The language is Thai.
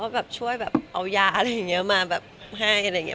แบบช่วยแบบเอายาอะไรอย่างนี้มาแบบให้อะไรอย่างนี้